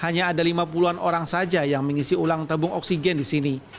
cuma dua orang saja yang mengisi ulang tabung oksigen di sini